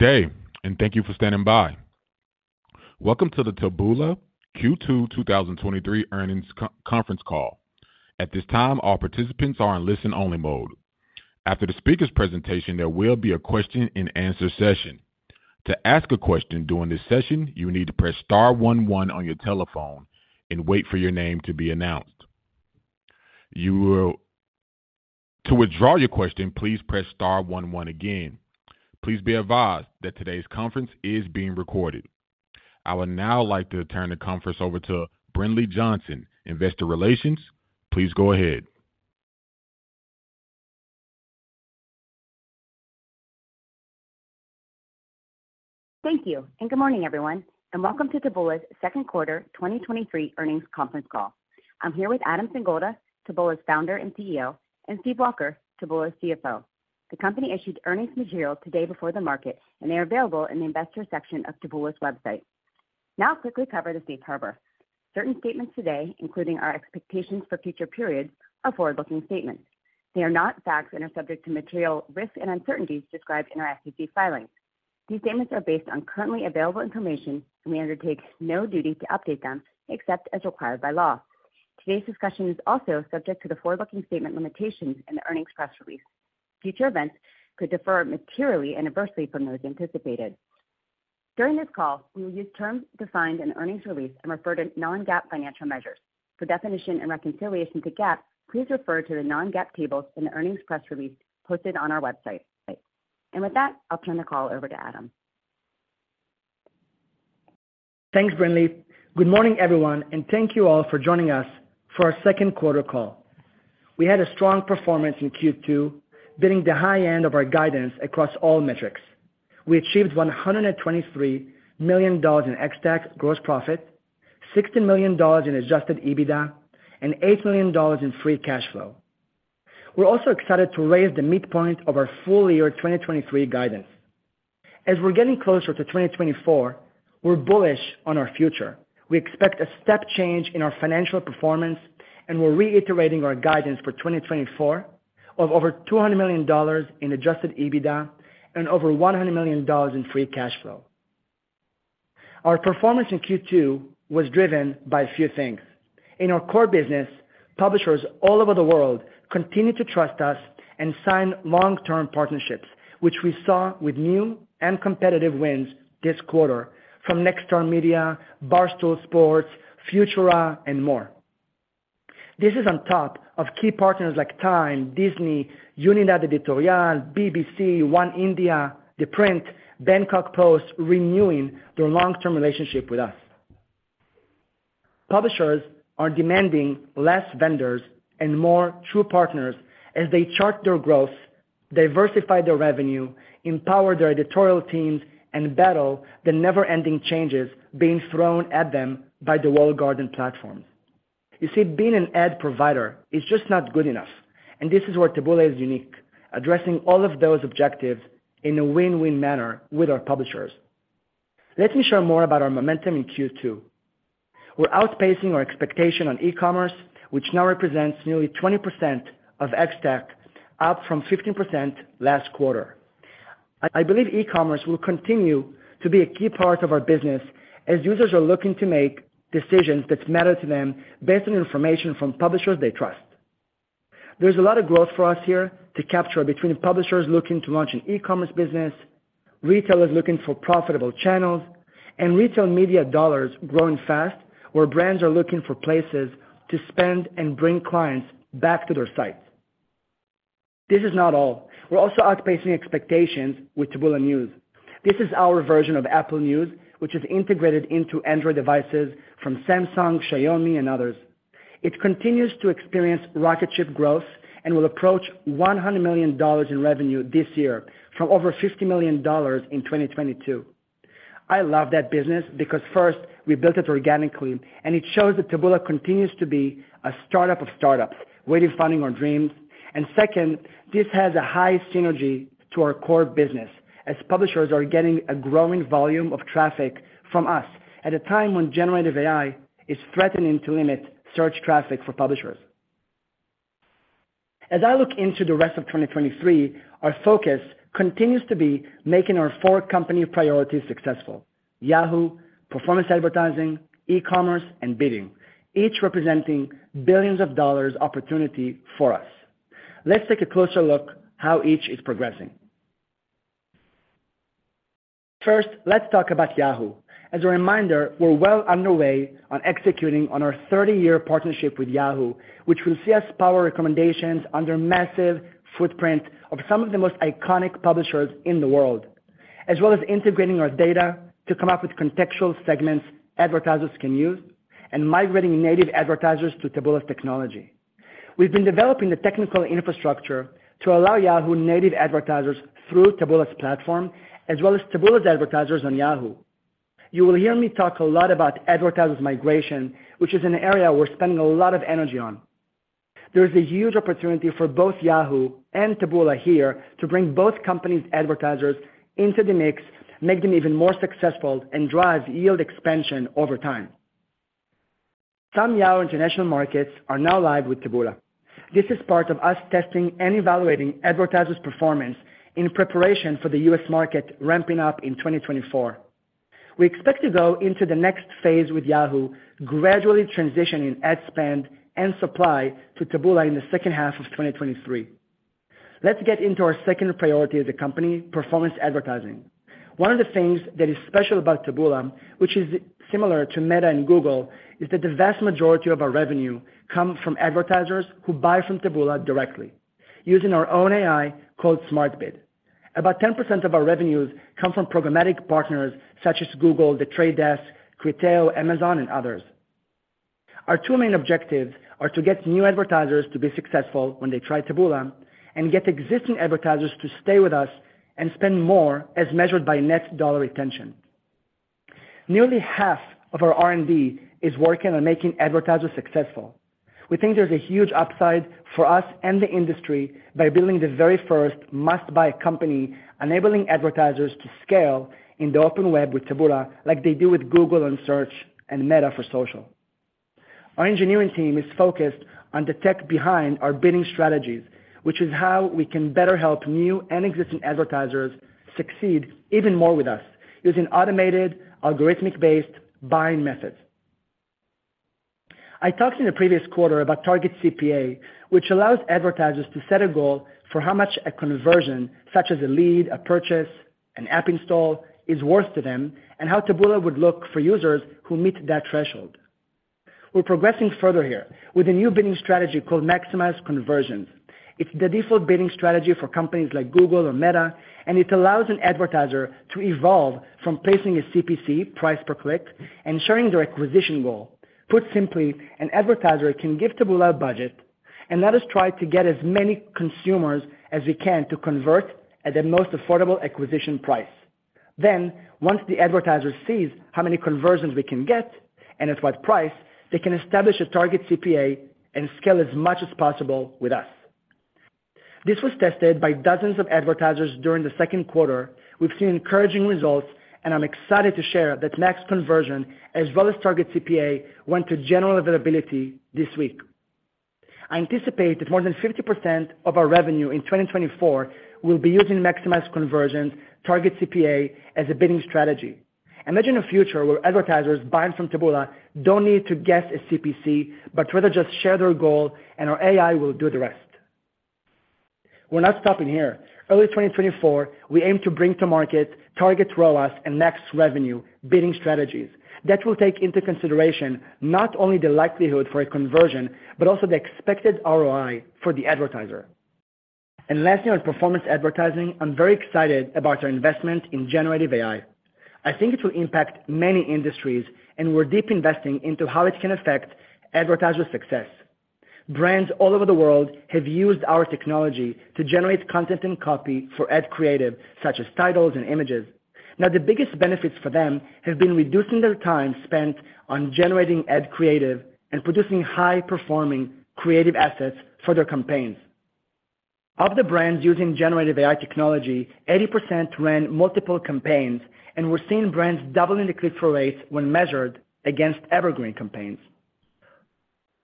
Good day, and thank you for standing by. Welcome to the Taboola Q2 2023 Earnings Conference Call. At this time, all participants are in listen-only mode. After the speaker's presentation, there will be a question-and-answer session. To ask a question during this session, you need to press star one one on your telephone and wait for your name to be announced. To withdraw your question, please press star one one again. Please be advised that today's conference is being recorded. I would now like to turn the conference over to Brinlea Johnson, Investor Relations. Please go ahead. Thank you, good morning, everyone, and welcome to Taboola's second quarter 2023 earnings conference call. I'm here with Adam Singolda, Taboola's founder and CEO, and Steve Walker, Taboola's CFO. The company issued earnings materials today before the market, they are available in the investor section of Taboola's website. Now I'll quickly cover the safe harbor. Certain statements today, including our expectations for future periods, are forward-looking statements. They are not facts and are subject to material risks and uncertainties described in our SEC filings. These statements are based on currently available information, we undertake no duty to update them except as required by law. Today's discussion is also subject to the forward-looking statement limitations in the earnings press release. Future events could differ materially and adversely from those anticipated. During this call, we will use terms defined in the earnings release and refer to non-GAAP financial measures. For definition and reconciliation to GAAP, please refer to the non-GAAP tables in the earnings press release posted on our website. With that, I'll turn the call over to Adam. Thanks, Brinlea. Good morning, everyone, and thank you all for joining us for our second quarter call. We had a strong performance in Q2, beating the high end of our guidance across all metrics. We achieved $123 million in ex-TAC gross profit, $16 million in Adjusted EBITDA, and $8 million in free cash flow. We're also excited to raise the midpoint of our full year 2023 guidance. As we're getting closer to 2024, we're bullish on our future. We expect a step change in our financial performance, and we're reiterating our guidance for 2024 of over $200 million in Adjusted EBITDA and over $100 million in free cash flow. Our performance in Q2 was driven by a few things. In our core business, publishers all over the world continue to trust us and sign long-term partnerships, which we saw with new and competitive wins this quarter from Nexstar Media Group, Barstool Sports, Futura, and more. This is on top of key partners like TIME, Disney, Unidad Editorial, BBC, Oneindia, ThePrint, Bangkok Post, renewing their long-term relationship with us. Publishers are demanding less vendors and more true partners as they chart their growth, diversify their revenue, empower their editorial teams, and battle the never-ending changes being thrown at them by the walled garden platforms. You see, being an ad provider is just not good enough, and this is where Taboola is unique, addressing all of those objectives in a win-win manner with our publishers. Let me share more about our momentum in Q2. We're outpacing our expectation on e-commerce, which now represents nearly 20% of ex-TAC, up from 15% last quarter. I believe e-commerce will continue to be a key part of our business as users are looking to make decisions that matter to them based on information from publishers they trust. There's a lot of growth for us here to capture between publishers looking to launch an e-commerce business, retailers looking for profitable channels, and retail media dollars growing fast, where brands are looking for places to spend and bring clients back to their sites. This is not all. We're also outpacing expectations with Taboola News. This is our version of Apple News, which is integrated into Android devices from Samsung, Xiaomi, and others. It continues to experience rocket ship growth and will approach $100 million in revenue this year from over $50 million in 2022. I love that business because first, we built it organically, and it shows that Taboola continues to be a startup of startups, really finding our dreams. Second, this has a high synergy to our core business as publishers are getting a growing volume of traffic from us at a time when generative AI is threatening to limit search traffic for publishers. As I look into the rest of 2023, our focus continues to be making our four company priorities successful: Yahoo, performance advertising, e-commerce, and bidding, each representing billions of dollars opportunity for us. Let's take a closer look how each is progressing. First, let's talk about Yahoo. As a reminder, we're well underway on executing on our 30-year partnership with Yahoo, which will see us power recommendations under massive footprint of some of the most iconic publishers in the world, as well as integrating our data to come up with contextual segments advertisers can use, and migrating native advertisers to Taboola's technology. We've been developing the technical infrastructure to allow Yahoo native advertisers through Taboola's platform, as well as Taboola's advertisers on Yahoo. You will hear me talk a lot about advertisers' migration, which is an area we're spending a lot of energy on. There is a huge opportunity for both Yahoo and Taboola here to bring both companies' advertisers into the mix, make them even more successful, and drive yield expansion over time. Some Yahoo international markets are now live with Taboola. This is part of us testing and evaluating advertisers' performance in preparation for the US market ramping up in 2024. We expect to go into the next phase with Yahoo gradually transitioning ad spend and supply to Taboola in the second half of 2023. Let's get into our second priority as a company, performance advertising. One of the things that is special about Taboola, which is similar to Meta and Google, is that the vast majority of our revenue comes from advertisers who buy from Taboola directly, using our own AI called SmartBid. About 10% of our revenues come from programmatic partners such as Google, The Trade Desk, Criteo, Amazon, and others. Our two main objectives are to get new advertisers to be successful when they try Taboola, and get existing advertisers to stay with us and spend more as measured by Net Dollar Retention. Nearly half of our R&D is working on making advertisers successful. We think there's a huge upside for us and the industry by building the very first must-buy company, enabling advertisers to scale in the open web with Taboola, like they do with Google and Search and Meta for social. Our engineering team is focused on the tech behind our bidding strategies, which is how we can better help new and existing advertisers succeed even more with us, using automated, algorithmic-based buying methods. I talked in the previous quarter about Target CPA, which allows advertisers to set a goal for how much a conversion, such as a lead, a purchase, an app install, is worth to them, and how Taboola would look for users who meet that threshold. We're progressing further here with a new bidding strategy called Maximize Conversions. It's the default bidding strategy for companies like Google or Meta, and it allows an advertiser to evolve from placing a CPC, price per click, and sharing their acquisition goal. Put simply, an advertiser can give Taboola a budget and let us try to get as many consumers as we can to convert at the most affordable acquisition price. Then, once the advertiser sees how many conversions we can get and at what price, they can establish a Target CPA and scale as much as possible with us. This was tested by dozens of advertisers during the second quarter. We've seen encouraging results, and I'm excited to share that Max Conversion, as well as Target CPA, went to general availability this week. I anticipate that more than 50% of our revenue in 2024 will be using Maximize Conversions, Target CPA as a bidding strategy. Imagine a future where advertisers buying from Taboola don't need to guess a CPC, but rather just share their goal, and our AI will do the rest. We're not stopping here. Early 2024, we aim to bring to market Target ROAS and Max Revenue bidding strategies. That will take into consideration not only the likelihood for a conversion, but also the expected ROI for the advertiser. Lastly, on performance advertising, I'm very excited about our investment in generative AI. I think it will impact many industries, and we're deep investing into how it can affect advertisers' success. Brands all over the world have used our technology to generate content and copy for ad creative, such as titles and images. Now, the biggest benefits for them have been reducing their time spent on generating ad creative and producing high-performing creative assets for their campaigns. Of the brands using generative AI technology, 80% ran multiple campaigns. We're seeing brands doubling the click-through rates when measured against evergreen campaigns.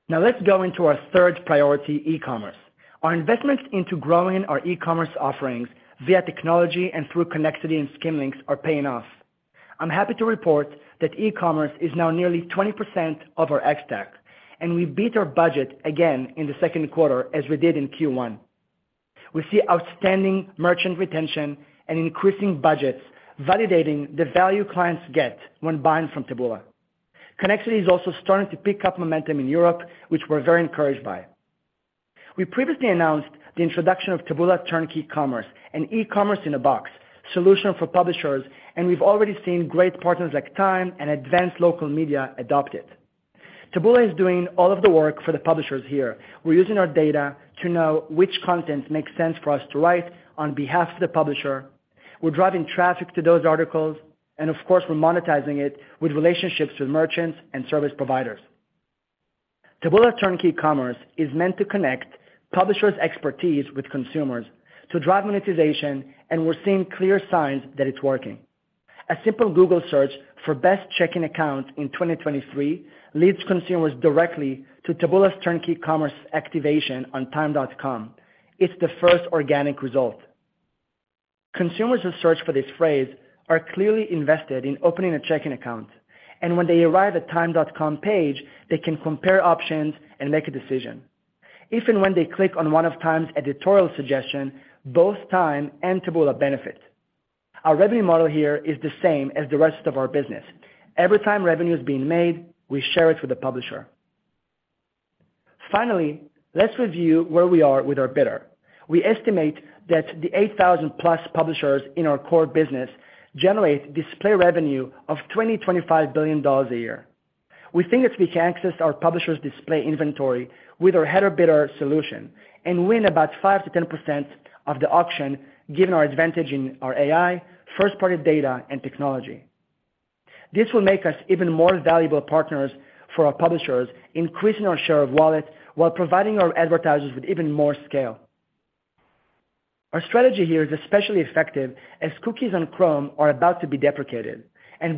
Let's go into our third priority, e-commerce. Our investments into growing our e-commerce offerings via technology and through Connexity and Skimlinks are paying off. I'm happy to report that e-commerce is now nearly 20% of our ex-TAC. We beat our budget again in the second quarter, as we did in Q1. We see outstanding merchant retention and increasing budgets, validating the value clients get when buying from Taboola. Connexity is also starting to pick up momentum in Europe, which we're very encouraged by. We previously announced the introduction of Taboola Turnkey Commerce, an e-commerce-in-a-box solution for publishers. We've already seen great partners like TIME and Advance Local adopt it. Taboola is doing all of the work for the publishers here. We're using our data to know which content makes sense for us to write on behalf of the publisher. We're driving traffic to those articles, and of course, we're monetizing it with relationships with merchants and service providers. Taboola Turnkey Commerce is meant to connect publishers' expertise with consumers to drive monetization, and we're seeing clear signs that it's working. A simple Google search for best checking account in 2023 leads consumers directly to Taboola's Turnkey Commerce activation on time.com. It's the first organic result. Consumers who search for this phrase are clearly invested in opening a checking account, and when they arrive at time.com page, they can compare options and make a decision. If and when they click on one of Time's editorial suggestion, both Time and Taboola benefit. Our revenue model here is the same as the rest of our business. Every time revenue is being made, we share it with the publisher. Finally, let's review where we are with our bidder. We estimate that the +8,000 publishers in our core business generate display revenue of $20 billion-$25 billion a year. We think if we can access our publishers' display inventory with our header bidding solution and win about 5%-10% of the auction, given our advantage in our AI, first-party data, and technology. This will make us even more valuable partners for our publishers, increasing our share of wallet, while providing our advertisers with even more scale. Our strategy here is especially effective as cookies on Chrome are about to be deprecated.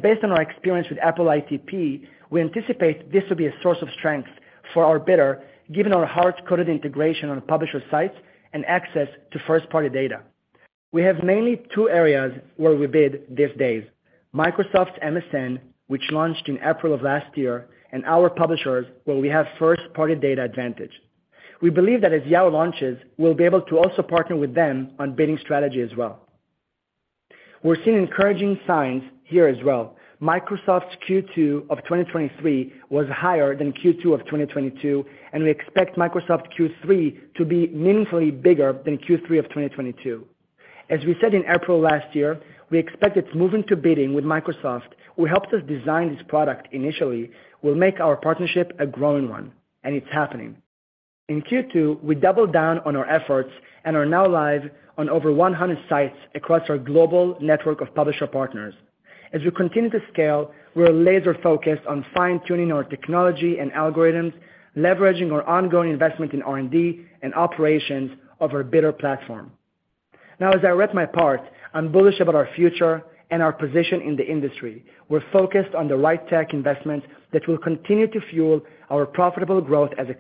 Based on our experience with Apple ITP, we anticipate this will be a source of strength for our bidder, given our hard-coded integration on publisher sites and access to first-party data. We have mainly two areas where we bid these days: Microsoft's MSN, which launched in April of last year, and our publishers, where we have first-party data advantage. We believe that as Yahoo launches, we'll be able to also partner with them on bidding strategy as well. We're seeing encouraging signs here as well. Microsoft's Q2 of 2023 was higher than Q2 of 2022, and we expect Microsoft Q3 to be meaningfully bigger than Q3 of 2022. As we said in April last year, we expect its move into bidding with Microsoft, who helped us design this product initially, will make our partnership a growing one, and it's happening. In Q2, we doubled down on our efforts and are now live on over 100 sites across our global network of publisher partners. As we continue to scale, we're laser-focused on fine-tuning our technology and algorithms, leveraging our ongoing investment in R&D and operations of our bidder platform. As I wrap my part, I'm bullish about our future and our position in the industry. We're focused on the right tech investments that will continue to fuel our profitable growth as a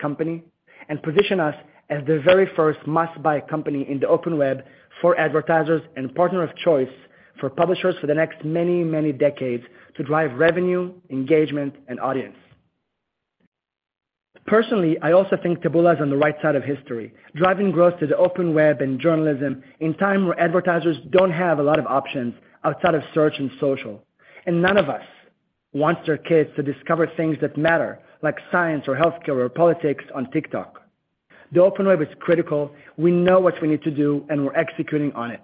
company and position us as the very first must-buy company in the open web for advertisers and partner of choice for publishers for the next many, many decades to drive revenue, engagement, and audience. Personally, I also think Taboola is on the right side of history, driving growth to the open web and journalism in time where advertisers don't have a lot of options outside of search and social. None of us wants their kids to discover things that matter, like science or healthcare or politics, on TikTok. The open web is critical. We know what we need to do, and we're executing on it.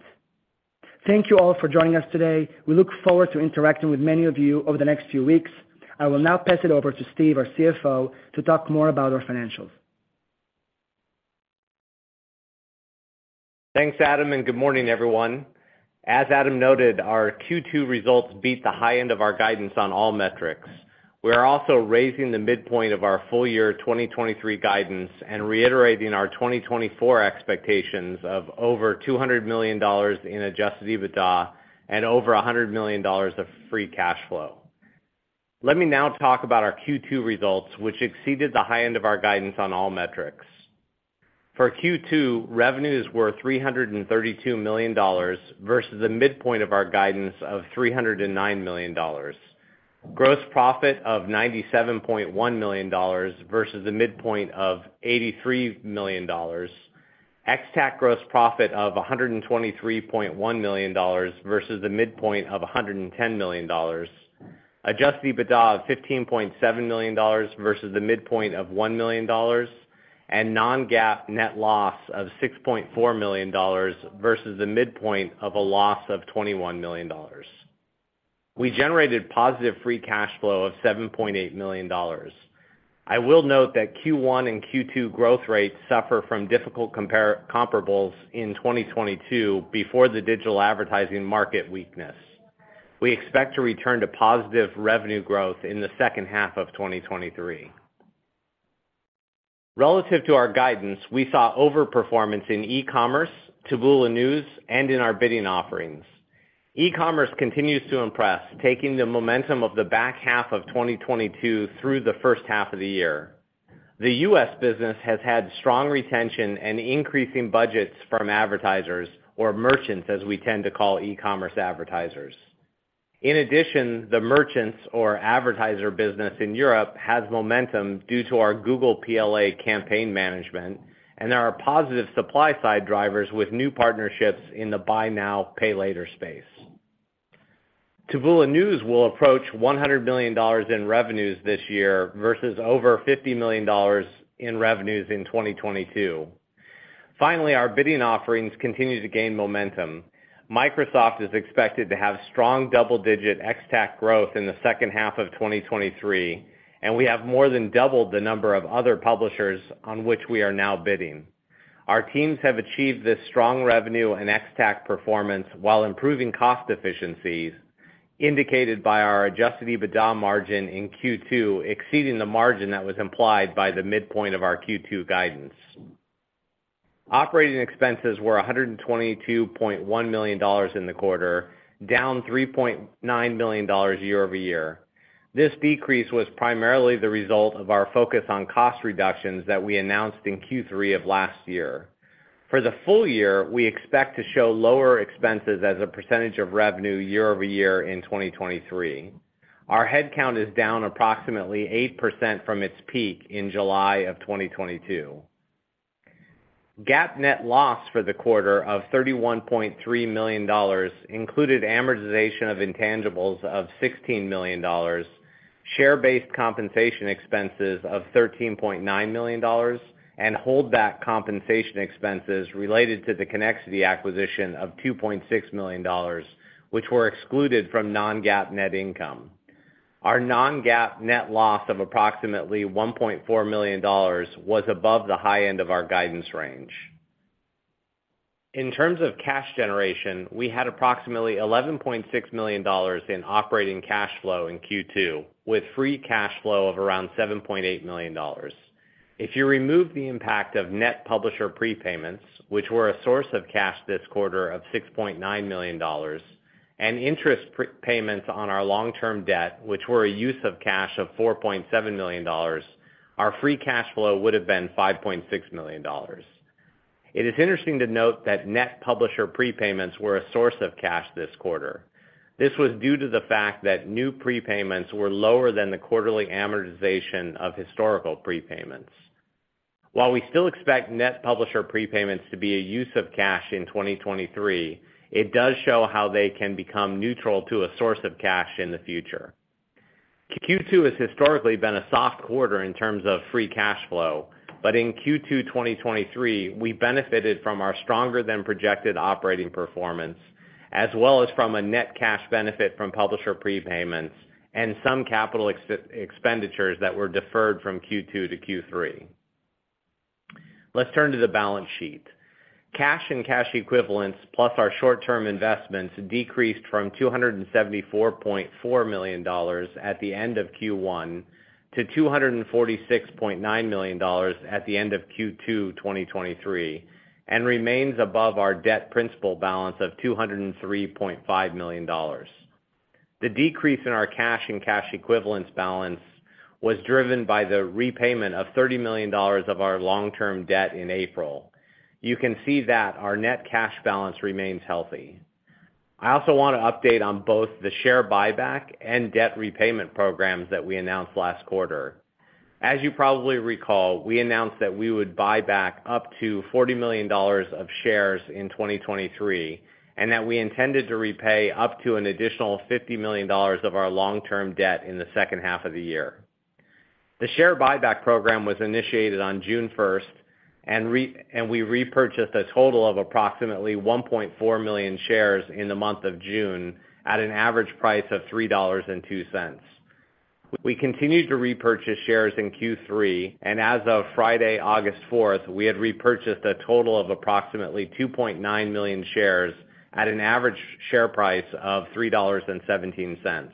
Thank you all for joining us today. We look forward to interacting with many of you over the next few weeks. I will now pass it over to Steve, our CFO, to talk more about our financials. Thanks, Adam, and good morning, everyone. As Adam noted, our Q2 results beat the high end of our guidance on all metrics. We are also raising the midpoint of our full year 2023 guidance and reiterating our 2024 expectations of over $200 million in Adjusted EBITDA and over $100 million of free cash flow. Let me now talk about our Q2 results, which exceeded the high end of our guidance on all metrics. For Q2, revenues were $332 million versus the midpoint of our guidance of $309 million. Gross profit of $97.1 million versus the midpoint of $83 million. ex-TAC gross profit of $123.1 million versus the midpoint of $110 million. Adjusted EBITDA of $15.7 million versus the midpoint of $1 million, non-GAAP net loss of $6.4 million versus the midpoint of a loss of $21 million. We generated positive free cash flow of $7.8 million. I will note that Q1 and Q2 growth rates suffer from difficult comparables in 2022 before the digital advertising market weakness. We expect to return to positive revenue growth in the second half of 2023. Relative to our guidance, we saw overperformance in e-commerce, Taboola News, and in our bidding offerings. E-commerce continues to impress, taking the momentum of the back half of 2022 through the first half of the year. The U.S. business has had strong retention and increasing budgets from advertisers or merchants, as we tend to call e-commerce advertisers. The merchants or advertiser business in Europe has momentum due to our Google PLA campaign management. There are positive supply-side drivers with new partnerships in the buy now, pay later space. Taboola News will approach $100 million in revenues this year versus over $50 million in revenues in 2022. Our bidding offerings continue to gain momentum. Microsoft is expected to have strong double-digit ex-TAC growth in the second half of 2023. We have more than doubled the number of other publishers on which we are now bidding. Our teams have achieved this strong revenue and ex-TAC performance while improving cost efficiencies, indicated by our Adjusted EBITDA margin in Q2, exceeding the margin that was implied by the midpoint of our Q2 guidance. Operating expenses were $122.1 million in the quarter, down $3.9 million year-over-year. This decrease was primarily the result of our focus on cost reductions that we announced in Q3 of last year. For the full year, we expect to show lower expenses as a % of revenue year-over-year in 2023. Our headcount is down approximately 8% from its peak in July of 2022. GAAP net loss for the quarter of $31.3 million included amortization of intangibles of $16 million, share-based compensation expenses of $13.9 million, and holdback compensation expenses related to the Connexity acquisition of $2.6 million, which were excluded from non-GAAP net income. Our non-GAAP net loss of approximately $1.4 million was above the high end of our guidance range. In terms of cash generation, we had approximately $11.6 million in operating cash flow in Q2, with free cash flow of around $7.8 million. If you remove the impact of net publisher prepayments, which were a source of cash this quarter of $6.9 million, and interest prepayments on our long-term debt, which were a use of cash of $4.7 million, our free cash flow would have been $5.6 million. It is interesting to note that net publisher prepayments were a source of cash this quarter. This was due to the fact that new prepayments were lower than the quarterly amortization of historical prepayments. While we still expect net publisher prepayments to be a use of cash in 2023, it does show how they can become neutral to a source of cash in the future. Q2 has historically been a soft quarter in terms of free cash flow, but in Q2 2023, we benefited from our stronger than projected operating performance, as well as from a net cash benefit from publisher prepayments and some capital expenditures that were deferred from Q2 to Q3. Let's turn to the balance sheet. Cash and cash equivalents, plus our short-term investments, decreased from $274.4 million at the end of Q1 to $246.9 million at the end of Q2 2023, and remains above our debt principal balance of $203.5 million. The decrease in our cash and cash equivalents balance was driven by the repayment of $30 million of our long-term debt in April. You can see that our net cash balance remains healthy. I also want to update on both the share buyback and debt repayment programs that we announced last quarter. As you probably recall, we announced that we would buy back up to $40 million of shares in 2023, and that we intended to repay up to an additional $50 million of our long-term debt in the second half of the year. The share buyback program was initiated on June 1st, and we repurchased a total of approximately 1.4 million shares in the month of June at an average price of $3.02. We continued to repurchase shares in Q3, and as of Friday, August 4th, we had repurchased a total of approximately 2.9 million shares at an average share price of $3.17.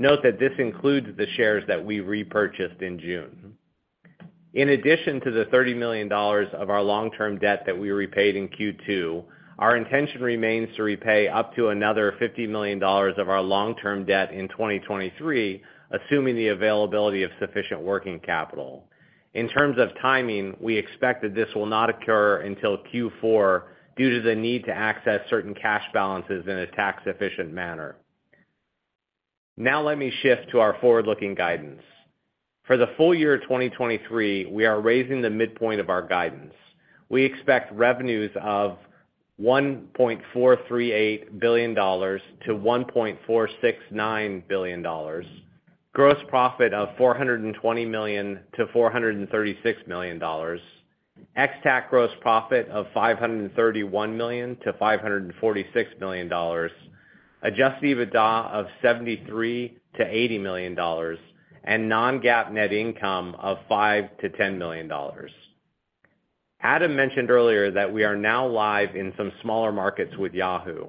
Note that this includes the shares that we repurchased in June. In addition to the $30 million of our long-term debt that we repaid in Q2, our intention remains to repay up to another $50 million of our long-term debt in 2023, assuming the availability of sufficient working capital. In terms of timing, we expect that this will not occur until Q4, due to the need to access certain cash balances in a tax-efficient manner. Let me shift to our forward-looking guidance. For the full year of 2023, we are raising the midpoint of our guidance. We expect revenues of $1.438 billion-$1.469 billion, gross profit of $420 million-$436 million, ex-TAC gross profit of $531 million-$546 million, Adjusted EBITDA of $73 million-$80 million, and non-GAAP net income of $5 million-$10 million. Adam mentioned earlier that we are now live in some smaller markets with Yahoo.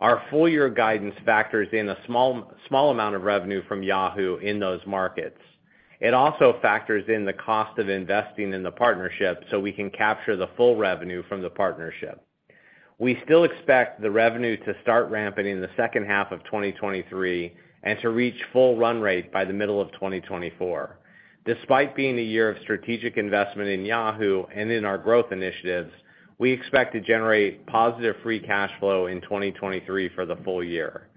Our full year guidance factors in a small, small amount of revenue from Yahoo in those markets. It also factors in the cost of investing in the partnership, so we can capture the full revenue from the partnership. We still expect the revenue to start ramping in the second half of 2023 and to reach full run rate by the middle of 2024. Despite being a year of strategic investment in Yahoo and in our growth initiatives, we expect to generate positive free cash flow in 2023 for the full year.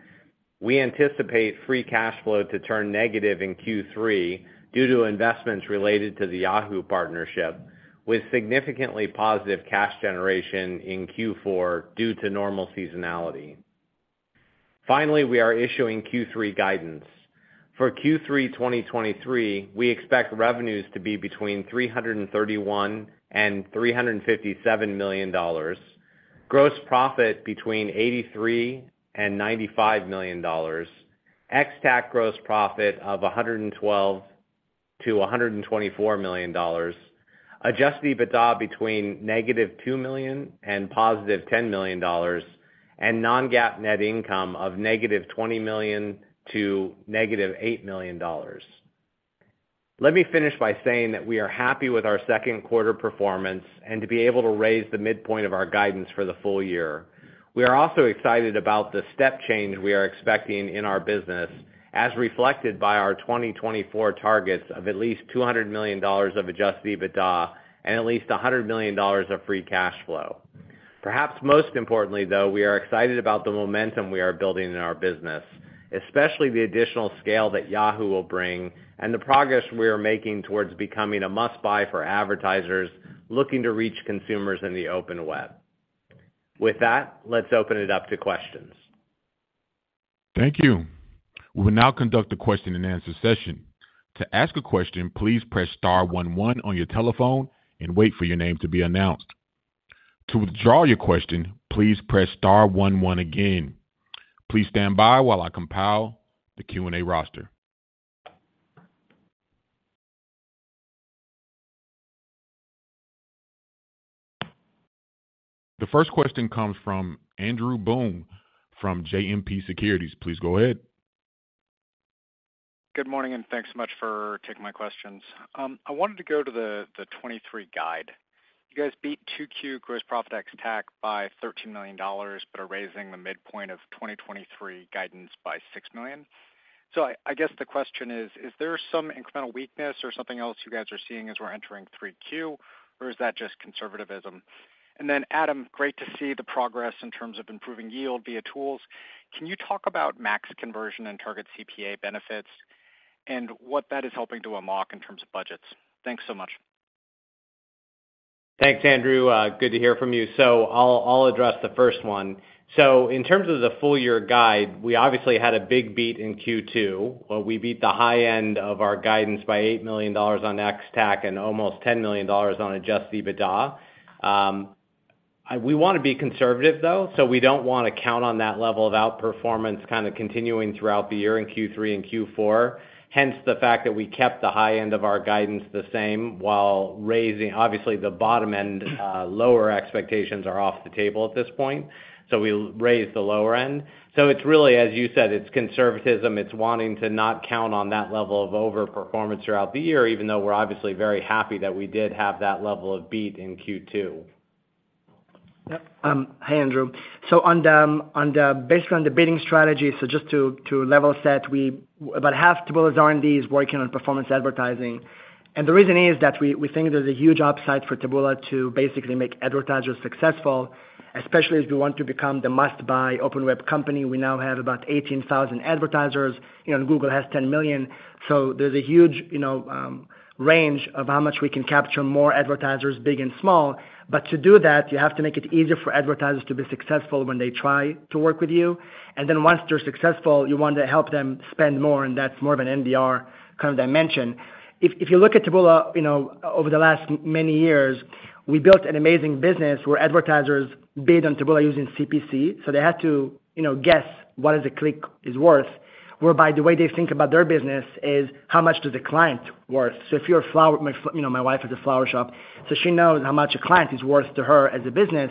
We anticipate free cash flow to turn negative in Q3 due to investments related to the Yahoo partnership, with significantly positive cash generation in Q4 due to normal seasonality. We are issuing Q3 guidance. For Q3 2023, we expect revenues to be between $331 million and $357 million, gross profit between $83 million and $95 million, ex-TAC gross profit of $112 million to $124 million, Adjusted EBITDA between -$2 million and +$10 million, and non-GAAP net income of -$20 million to -$8 million. Let me finish by saying that we are happy with our second quarter performance and to be able to raise the midpoint of our guidance for the full year. We are also excited about the step change we are expecting in our business, as reflected by our 2024 targets of at least $200 million of Adjusted EBITDA and at least $100 million of free cash flow. Perhaps most importantly, though, we are excited about the momentum we are building in our business, especially the additional scale that Yahoo will bring and the progress we are making towards becoming a must-buy for advertisers looking to reach consumers in the open web. With that, let's open it up to questions. Thank you. We will now conduct a question-and-answer session. To ask a question, please press star one one on your telephone and wait for your name to be announced. To withdraw your question, please press star one one again. Please stand by while I compile the Q&A roster. The first question comes from Andrew Boone, from JMP Securities. Please go ahead. Good morning, and thanks so much for taking my questions. I wanted to go to the 2023 guide. You guys beat 2Q gross profit ex-TAC by $13 million, but are raising the midpoint of 2023 guidance by $6 million. I, I guess the question is: Is there some incremental weakness or something else you guys are seeing as we're entering 3Q, or is that just conservativism? Adam, great to see the progress in terms of improving yield via tools. Can you talk about Max Conversion and Target CPA benefits, and what that is helping to unlock in terms of budgets? Thanks so much. Thanks, Andrew. Good to hear from you. I'll address the first one. In terms of the full year guide, we obviously had a big beat in Q2, where we beat the high end of our guidance by $8 million on ex-TAC and almost $10 million on Adjusted EBITDA. We wanna be conservative, though, so we don't wanna count on that level of outperformance kind of continuing throughout the year in Q3 and Q4. Hence, the fact that we kept the high end of our guidance the same, while raising, obviously, the bottom end, lower expectations are off the table at this point, so we raised the lower end. It's really, as you said, it's conservatism, it's wanting to not count on that level of overperformance throughout the year, even though we're obviously very happy that we did have that level of beat in Q2. Hi, Andrew. On the, on the, based on the bidding strategy, just to level set, about half Taboola's R&D is working on performance advertising. The reason is that we think there's a huge upside for Taboola to basically make advertisers successful, especially as we want to become the must-buy open web company. We now have about 18,000 advertisers, you know, and Google has 10 million. There's a huge, you know, range of how much we can capture more advertisers, big and small. To do that, you have to make it easier for advertisers to be successful when they try to work with you. Then once they're successful, you want to help them spend more, and that's more of an NDR kind of dimension. If you look at Taboola, you know, over the last many years, we built an amazing business where advertisers bid on Taboola using CPC. They had to, you know, guess what is a click is worth, whereby the way they think about their business is, how much do the client worth? If you're a flower... You know, my wife has a flower shop, so she knows how much a client is worth to her as a business.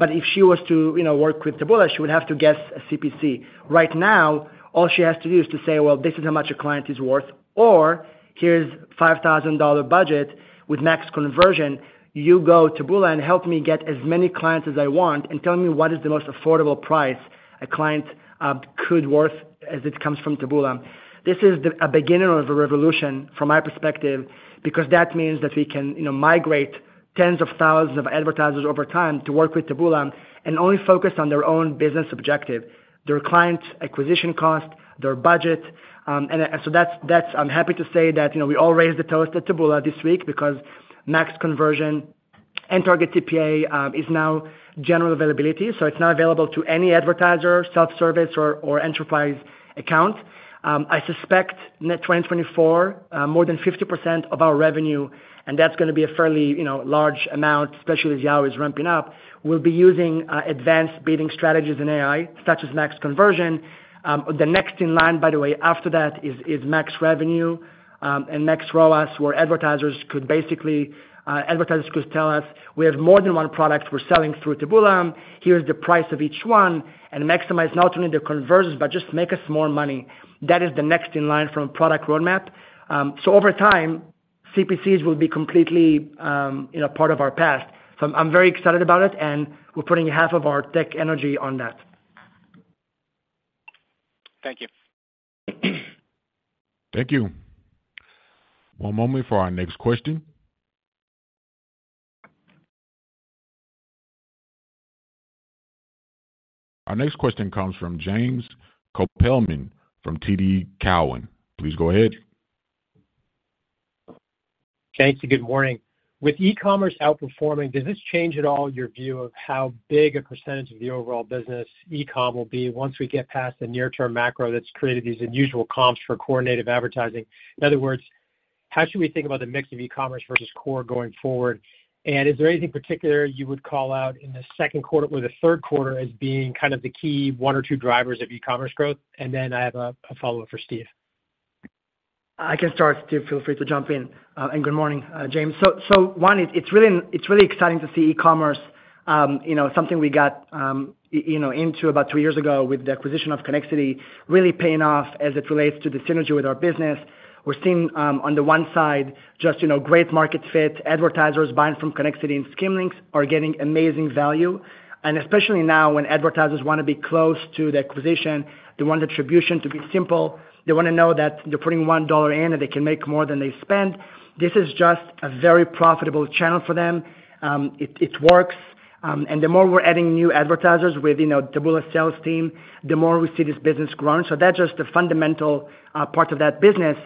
If she was to, you know, work with Taboola, she would have to guess a CPC. Right now, all she has to do is to say: "Well, this is how much a client is worth, or here's $5,000 budget with Max Conversion. You go, Taboola, and help me get as many clients as I want, and tell me what is the most affordable price a client could worth as it comes from Taboola. This is a beginning of a revolution from my perspective, because that means that we can, you know, migrate tens of thousands of advertisers over time to work with Taboola and only focus on their own business objective, their client acquisition cost, their budget. I'm happy to say that, you know, we all raised the toast at Taboola this week, because Max Conversion and Target CPA is now general availability. It's now available to any advertiser, self-service or enterprise account. I suspect in 2024, more than 50% of our revenue, and that's going to be a fairly, you know, large amount, especially as Yahoo. is ramping up, will be using advanced bidding strategies and AI, such as Max Conversion. The next in line, by the way, after that is Max Revenue, and Max ROAS, where advertisers could basically, advertisers could tell us: "We have more than one product we're selling through Taboola. Here's the price of each one, and maximize not only the conversions, but just make us more money." That is the next in line from a product roadmap. Over time, CPCs will be completely, you know, part of our past. I'm very excited about it, and we're putting half of our tech energy on that. Thank you. Thank you. One moment for our next question. Our next question comes from James Kopelman, from TD Cowen. Please go ahead. Thank you. Good morning. With e-commerce outperforming, does this change at all your view of how big a % of the overall business e-com will be once we get past the near-term macro that's created these unusual comps for core native advertising? In other words, how should we think about the mix of e-commerce versus core going forward? Is there anything particular you would call out in the second quarter or the third quarter as being kind of the key one or two drivers of e-commerce growth? Then I have a follow-up for Steve. I can start. Steve, feel free to jump in. Good morning, James. It's really, it's really exciting to see e-commerce, you know, something we got, you know, into about two years ago with the acquisition of Connexity, really paying off as it relates to the synergy with our business. We're seeing, on the one side, just, you know, great market fit. Advertisers buying from Connexity and Skimlinks are getting amazing value. Especially now, when advertisers wanna be close to the acquisition, they want attribution to be simple. They wanna know that they're putting $1 in, and they can make more than they spend. This is just a very profitable channel for them. It, it works. The more we're adding new advertisers with, you know, Taboola sales team, the more we see this business growing. That's just the fundamental part of that business.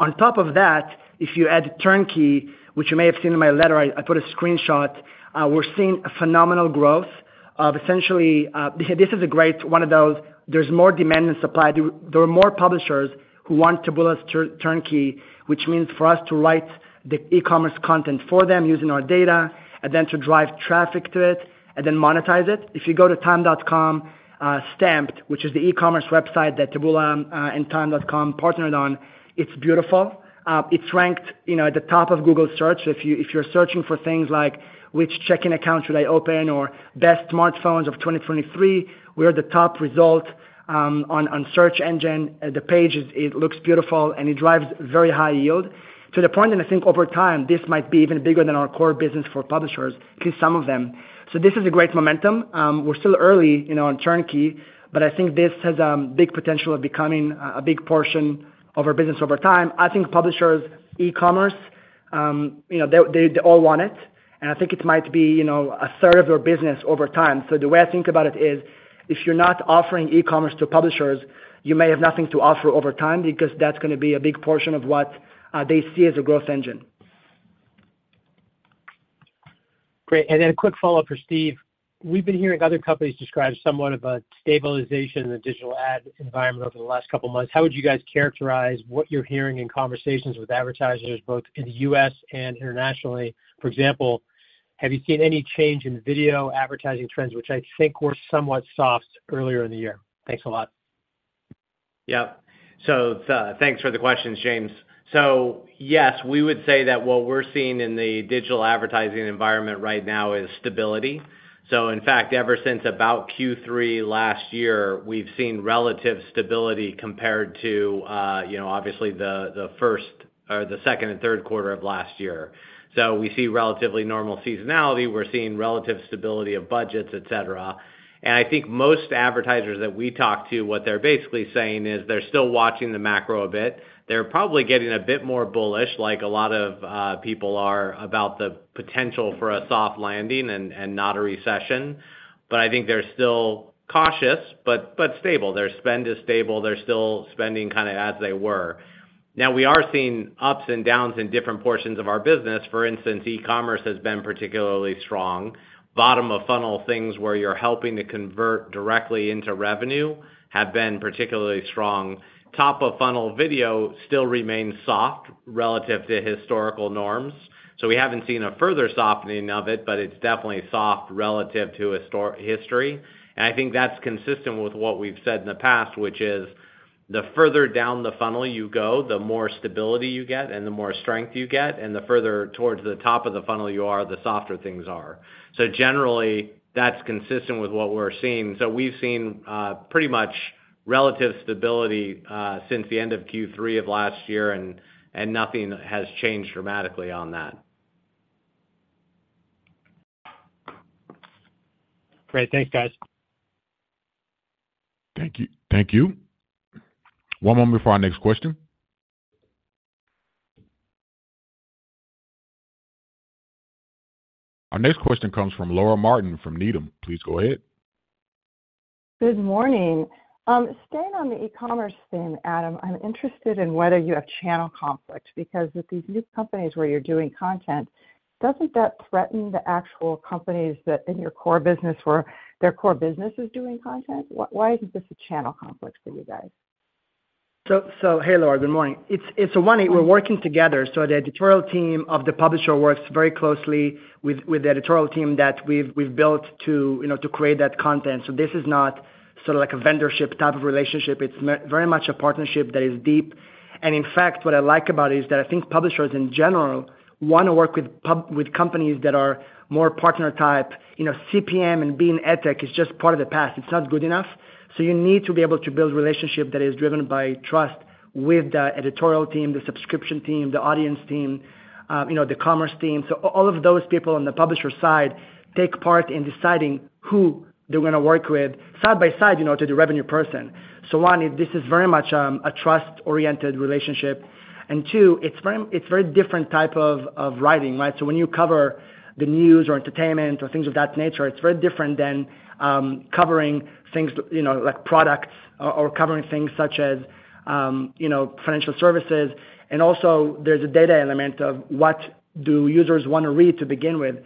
On top of that, if you add Turnkey, which you may have seen in my letter, I, I put a screenshot, we're seeing a phenomenal growth, of essentially, this is a great, one of those, there's more demand and supply. There are more publishers who want Taboola's Turnkey, which means for us to write the e-commerce content for them using our data, and then to drive traffic to it and then monetize it. If you go to time.com, Stamped, which is the e-commerce website that Taboola and time.com partnered on, it's beautiful. It's ranked, you know, at the top of Google search. If you, if you're searching for things like, which checking account should I open? Or best smartphones of 2023, we are the top result on search engine. The page is, it looks beautiful, and it drives very high yield. To the point that I think over time, this might be even bigger than our core business for publishers, at least some of them. This is a great momentum. We're still early, you know, on Turnkey, but I think this has big potential of becoming a big portion of our business over time. I think publishers, E-commerce, you know, they, they all want it, and I think it might be, you know, a third of their business over time. The way I think about it is, if you're not offering e-commerce to publishers, you may have nothing to offer over time, because that's going to be a big portion of what they see as a growth engine. Great. Then a quick follow-up for Steve. We've been hearing other companies describe somewhat of a stabilization in the digital ad environment over the last couple of months. How would you guys characterize what you're hearing in conversations with advertisers, both in the US and internationally? For example, have you seen any change in video advertising trends, which I think were somewhat soft earlier in the year? Thanks a lot. Yeah. Thanks for the questions, James. Yes, we would say that what we're seeing in the digital advertising environment right now is stability. In fact, ever since about Q3 last year, we've seen relative stability compared to, you know, obviously, the, the first or the second and third quarter of last year. We see relatively normal seasonality. We're seeing relative stability of budgets, et cetera. I think most advertisers that we talk to, what they're basically saying is, they're still watching the macro a bit. They're probably getting a bit more bullish, like a lot of, people are about the potential for a soft landing and, and not a recession. I think they're still cautious, but, but stable. Their spend is stable. They're still spending kind of as they were. Now, we are seeing ups and downs in different portions of our business. For instance, e-commerce has been particularly strong. Bottom-of-funnel things where you're helping to convert directly into revenue, have been particularly strong. Top-of-funnel video still remains soft relative to historical norms, so we haven't seen a further softening of it, but it's definitely soft relative to history. I think that's consistent with what we've said in the past, which is, the further down the funnel you go, the more stability you get and the more strength you get, and the further towards the top of the funnel you are, the softer things are. Generally, that's consistent with what we're seeing. We've seen pretty much relative stability since the end of Q3 of last year, and nothing has changed dramatically on that. Great. Thanks, guys. Thank you. Thank you. One moment before our next question. Our next question comes from Laura Martin, from Needham. Please go ahead. Good morning. Staying on the e-commerce theme, Adam, I'm interested in whether you have channel conflict, because with these new companies where you're doing content, doesn't that threaten the actual companies that in your core business, where their core business is doing content? Why isn't this a channel conflict for you guys? Hey, Laura, good morning. We're working together, so the editorial team of the publisher works very closely with the editorial team that we've built to, you know, to create that content. This is not sort of like a vendorship type of relationship. It's very much a partnership that is deep. In fact, what I like about it is that I think publishers in general want to work with companies that are more partner-type. You know, CPM and being ad tech is just part of the past. It's not good enough. You need to be able to build relationship that is driven by trust with the editorial team, the subscription team, the audience team, you know, the commerce team. All of those people on the publisher side take part in deciding who they're gonna work with side by side, you know, to the revenue person. One, this is very much a trust-oriented relationship. Two, it's very, it's very different type of, of writing, right? When you cover the news or entertainment or things of that nature, it's very different than covering things, you know, like products or, or covering things such as, you know, financial services. Also there's a data element of what do users wanna read to begin with.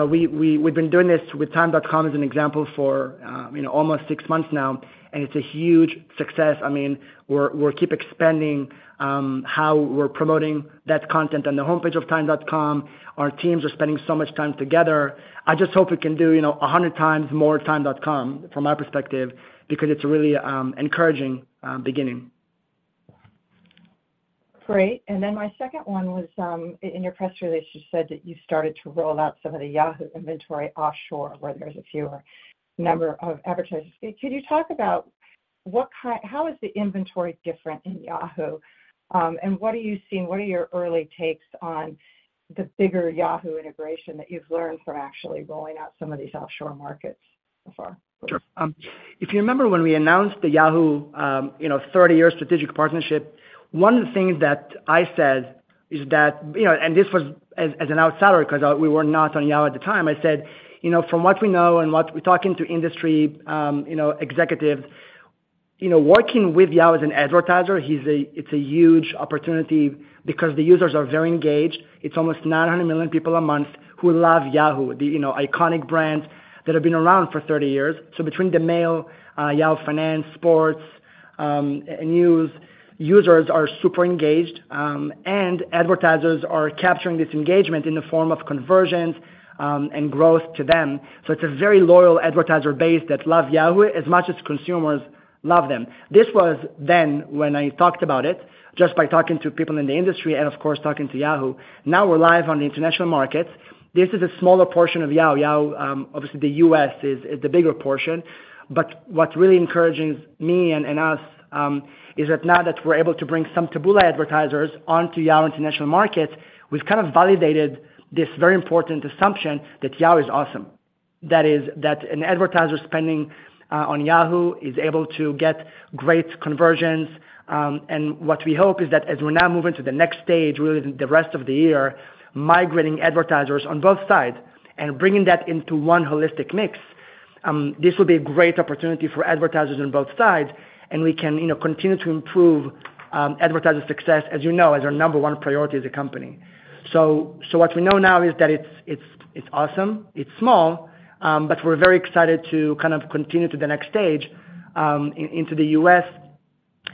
We, we, we've been doing this with TIME.com as an example for, you know, almost six months now, and it's a huge success. I mean, we're, we're keep expanding how we're promoting that content on the homepage of TIME.com. Our teams are spending so much time together. I just hope we can do, you know, 100x more TIME.com from my perspective, because it's really encouraging beginning. Great. My second one was, in your press release, you said that you started to roll out some of the Yahoo inventory offshore, where there's a fewer number of advertisers. Could you talk about what how is the inventory different in Yahoo? What are you seeing? What are your early takes on the bigger Yahoo integration that you've learned from actually rolling out some of these offshore markets so far? Sure. If you remember when we announced the Yahoo, you know, 30-year strategic partnership, one of the things that I said is that. You know, and this was as an outsider, because we were not on Yahoo at the time. I said, "You know, from what we know and what we're talking to industry, you know, executives. You know, working with Yahoo as an advertiser, it's a huge opportunity because the users are very engaged. It's almost 900 million people a month who love Yahoo. The, you know, iconic brand that have been around for 30 years. So between the mail, Yahoo Finance, sports, news, users are super engaged, and advertisers are capturing this engagement in the form of conversions and growth to them. So it's a very loyal advertiser base that love Yahoo. as much as consumers love them. This was then when I talked about it, just by talking to people in the industry and, of course, talking to Yahoo! We're live on the International Markets. This is a smaller portion of Yahoo! Yahoo! Obviously, the US is the bigger portion. What's really encouraging me and us is that now that we're able to bring some Taboola advertisers onto Yahoo! International Markets, we've kind of validated this very important assumption that Yahoo! is awesome. That is, that an advertiser spending on Yahoo! is able to get great conversions. What we hope is that as we're now moving to the next stage, really, the rest of the year, migrating advertisers on both sides and bringing that into one holistic mix, this will be a great opportunity for advertisers on both sides, and we can, you know, continue to improve advertiser success, as you know, as our number one priority as a company. What we know now is that it's, it's, it's awesome, it's small, but we're very excited to kind of continue to the next stage, into the US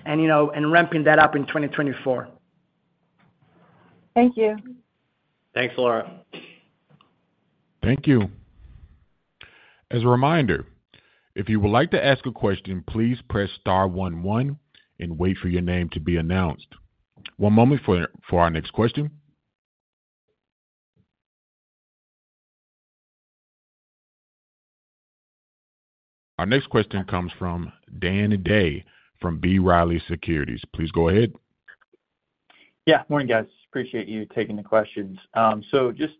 and, you know, and ramping that up in 2024. Thank you. Thanks, Laura. Thank you. As a reminder, if you would like to ask a question, please press star one one and wait for your name to be announced. One moment for our next question. Our next question comes from Dan Day, from B. Riley Securities. Please go ahead. Yeah. Morning, guys. Appreciate you taking the questions. So just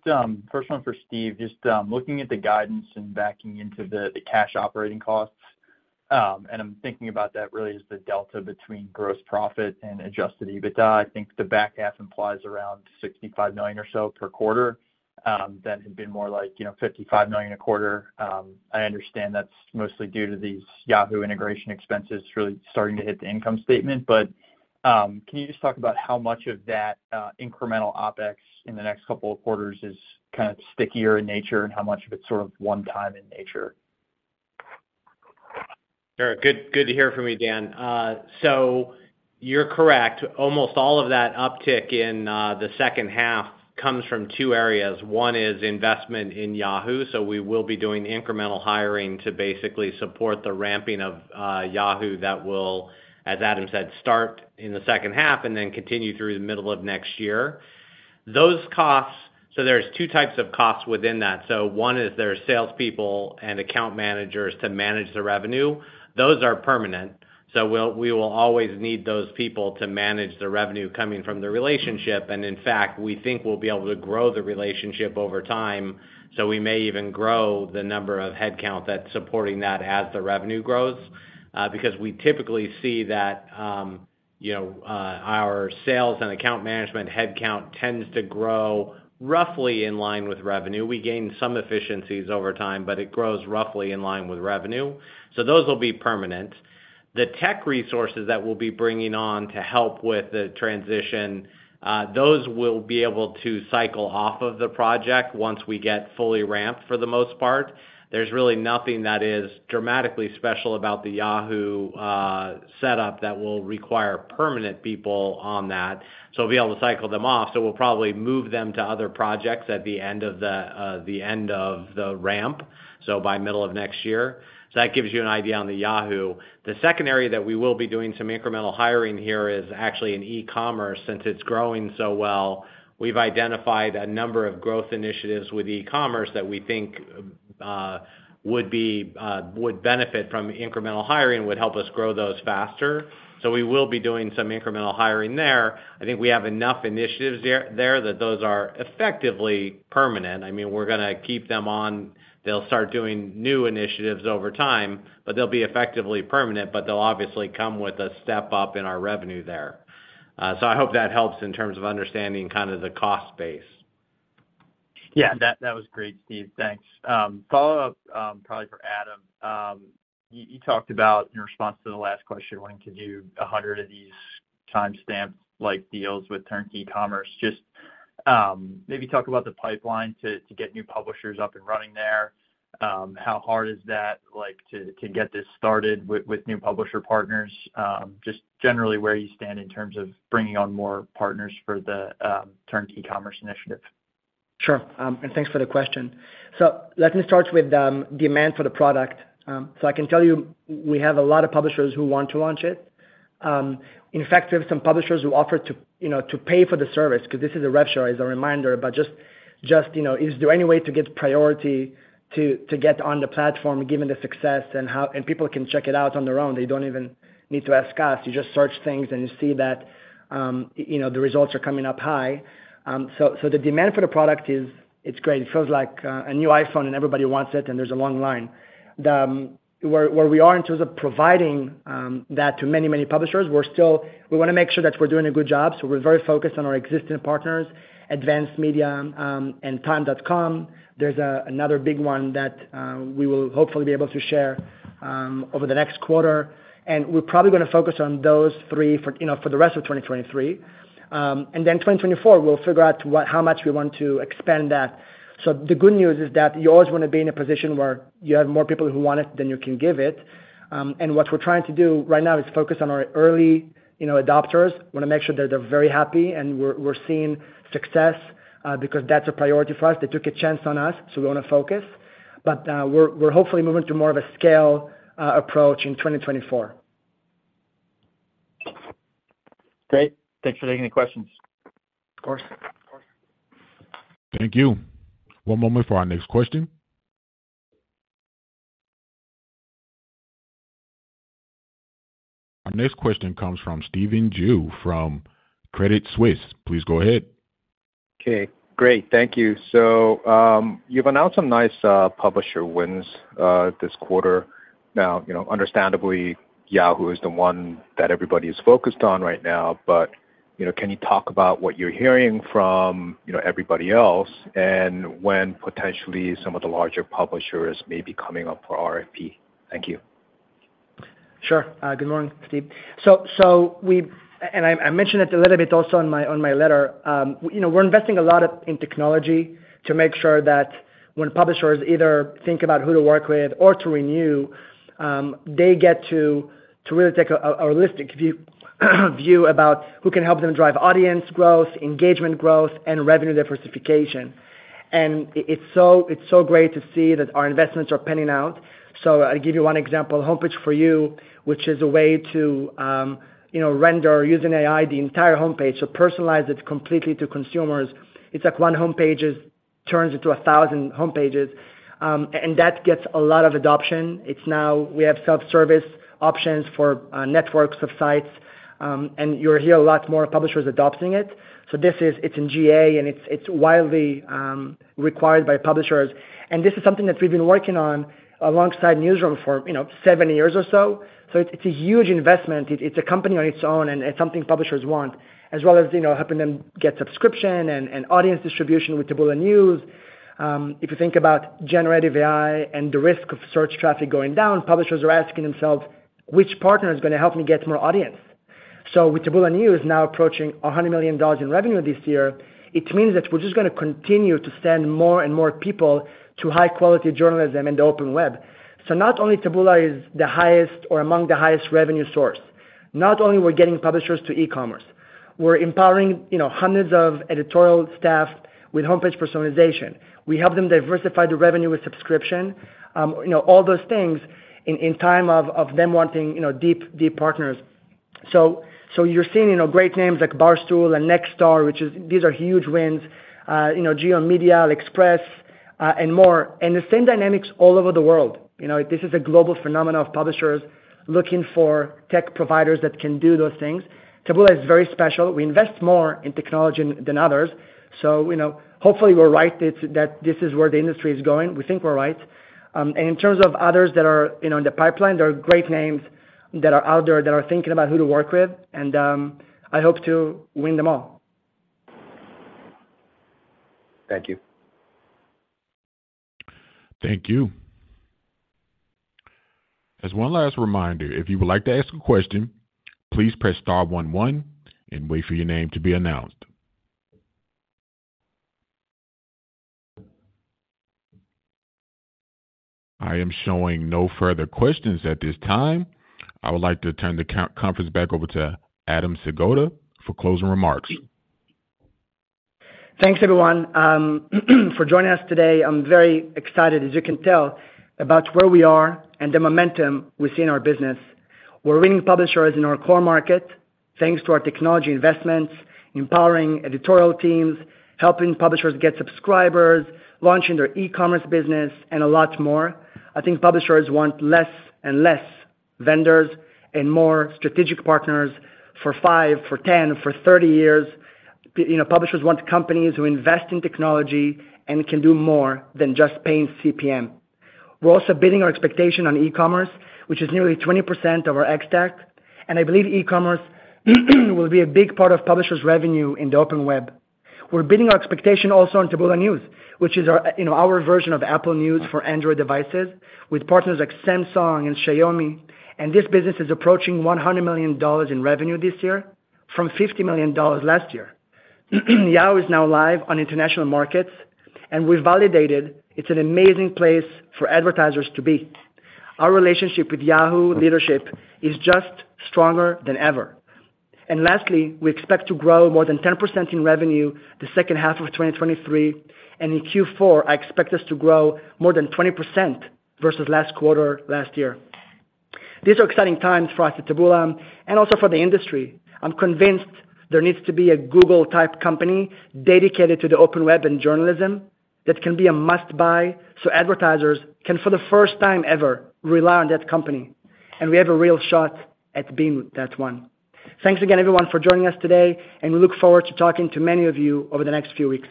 first one for Steve. Just looking at the guidance and backing into the cash operating costs, and I'm thinking about that really as the delta between gross profit and Adjusted EBITDA. I think the back half implies around $65 million or so per quarter, that had been more like, you know, $55 million a quarter. I understand that's mostly due to these Yahoo integration expenses really starting to hit the income statement. Can you just talk about how much of that incremental OpEx in the next couple of quarters is kind of stickier in nature, and how much of it's sort of one time in nature? Sure. Good, good to hear from you, Dan. You're correct. Almost all of that uptick in the second half comes from two areas. One is investment in Yahoo. We will be doing incremental hiring to basically support the ramping of Yahoo. That will, as Adam said, start in the second half and then continue through the middle of next year. Those costs. There's two types of costs within that. One is there are salespeople and account managers to manage the revenue. Those are permanent, so we will always need those people to manage the revenue coming from the relationship. And in fact, we think we'll be able to grow the relationship over time. We may even grow the number of headcount that's supporting that as the revenue grows. Because we typically see that, you know, our sales and account management headcount tends to grow roughly in line with revenue. We gain some efficiencies over time, but it grows roughly in line with revenue. Those will be permanent. The tech resources that we'll be bringing on to help with the transition, those will be able to cycle off of the project once we get fully ramped, for the most part. There's really nothing that is dramatically special about the Yahoo setup that will require permanent people on that, so we'll be able to cycle them off. We'll probably move them to other projects at the end of the, the ended of the ramp, so by middle of next year. That gives you an idea on the Yahoo. The second area that we will be doing some incremental hiring here is actually in e-commerce, since it's growing so well. We've identified a number of growth initiatives with e-commerce that we think would be, would benefit from incremental hiring, would help us grow those faster. We will be doing some incremental hiring there. I think we have enough initiatives there, there that those are effectively permanent. I mean, we're gonna keep them on. They'll start doing new initiatives over time, but they'll be effectively permanent, but they'll obviously come with a step up in our revenue there. I hope that helps in terms of understanding kind of the cost base. Yeah, that, that was great, Steve. Thanks. Follow up, probably for Adam. You, you talked about in response to the last question, wanting to do 100 of these timestamps like deals with turnkey commerce. Just, maybe talk about the pipeline to get new publishers up and running there. How hard is that, like, to get this started with new publisher partners? Just generally where you stand in terms of bringing on more partners for the turnkey commerce initiative. Sure, thanks for the question. Let me start with demand for the product. I can tell you, we have a lot of publishers who want to launch it. In fact, there are some publishers who offer to, you know, to pay for the service, because this is a rev share as a reminder, but just, just, you know, is there any way to get priority to, to get on the platform, given the success and people can check it out on their own. They don't even need to ask us. You just search things, and you see that, you know, the results are coming up high. So the demand for the product is, it's great. It feels like a new iPhone, and everybody wants it, and there's a long line. The where, where we are in terms of providing that to many, many publishers, we want to make sure that we're doing a good job, so we're very focused on our existing partners, Advance Local, and TIME.com. There's another big one that we will hopefully be able to share over the next quarter, and we're probably gonna focus on those three for, you know, for the rest of 2023. Then 2024, we'll figure out how much we want to expand that. The good news is that you always wanna be in a position where you have more people who want it than you can give it. What we're trying to do right now is focus on our early, you know, adopters. We wanna make sure that they're very happy, and we're seeing success, because that's a priority for us. They took a chance on us, we want to focus. We're hopefully moving to more of a scale, approach in 2024. Great. Thanks for taking the questions. Of course. Of course. Thank you. One moment for our next question. Our next question comes from Stephen Ju from Credit Suisse. Please go ahead. Okay, great. Thank you. You've announced some nice publisher wins this quarter. Now, you know, understandably, Yahoo is the one that everybody is focused on right now, but, you know, can you talk about what you're hearing from, you know, everybody else and when potentially some of the larger publishers may be coming up for RFP? Thank you. Sure. Good morning, Steve. So we and I, I mentioned it a little bit also on my, on my letter. You know, we're investing a lot of in technology to make sure that when publishers either think about who to work with or to renew, they get to, to really take a holistic view about who can help them drive audience growth, engagement growth and revenue diversification. It's so, it's so great to see that our investments are panning out. So I'll give you one example: Homepage For You, which is a way to, you know, render using AI the entire homepage. So personalize it completely to consumers. It's like 1 homepage is. Turns into 1,000 homepages, and that gets a lot of adoption. It's now, we have self-service options for networks of sites, and you'll hear a lot more publishers adopting it. This is, it's in GA, and it's, it's widely required by publishers. This is something that we've been working on alongside Newsroom for, you know, seven years or so. It's a huge investment. It's a company on its own, and it's something publishers want, as well as, you know, helping them get subscription and audience distribution with Taboola News. If you think about generative AI and the risk of search traffic going down, publishers are asking themselves: Which partner is gonna help me get more audience? With Taboola News now approaching $100 million in revenue this year, it means that we're just gonna continue to send more and more people to high-quality journalism and the open web. Not only Taboola is the highest or among the highest revenue source, not only we're getting publishers to e-commerce, we're empowering, you know, hundreds of editorial staff with homepage personalization. We help them diversify their revenue with subscription. You know, all those things in, in time of, of them wanting, you know, deep, deep partners. You're seeing, you know, great names like Barstool and Nexstar, which is, these are huge wins. G/O Media, AliExpress, and more, and the same dynamics all over the world. You know, this is a global phenomenon of publishers looking for tech providers that can do those things. Taboola is very special. We invest more in technology than others, so, you know, hopefully we're right, it's, that this is where the industry is going. We think we're right. In terms of others that are, you know, in the pipeline, there are great names that are out there that are thinking about who to work with, and I hope to win them all. Thank you. Thank you. As one last reminder, if you would like to ask a question, please press star one one and wait for your name to be announced. I am showing no further questions at this time. I would like to turn the conference back over to Adam Singolda for closing remarks. Thanks, everyone, for joining us today. I'm very excited, as you can tell, about where we are and the momentum we see in our business. We're winning publishers in our core market, thanks to our technology investments, empowering editorial teams, helping publishers get subscribers, launching their e-commerce business and a lot more. I think publishers want less and less vendors and more strategic partners for five, for 10, for 30 years. You know, publishers want companies who invest in technology and can do more than just paying CPM. We're also beating our expectation on e-commerce, which is nearly 20% of our ex-TAC, and I believe e-commerce will be a big part of publishers' revenue in the open web. We're beating our expectation also on Taboola News, which is our, you know, our version of Apple News for Android devices, with partners like Samsung and Xiaomi, and this business is approaching $100 million in revenue this year from $50 million last year. Yahoo is now live on international markets, and we've validated it's an amazing place for advertisers to be. Our relationship with Yahoo leadership is just stronger than ever. Lastly, we expect to grow more than 10% in revenue the second half of 2023, and in Q4, I expect us to grow more than 20% versus last quarter last year. These are exciting times for us at Taboola and also for the industry. I'm convinced there needs to be a Google-type company dedicated to the open web and journalism that can be a must-buy, so advertisers can, for the first time ever, rely on that company, and we have a real shot at being that one. Thanks again, everyone, for joining us today, and we look forward to talking to many of you over the next few weeks.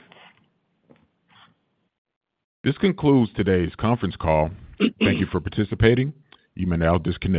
This concludes today's conference call. Thank you for participating. You may now disconnect.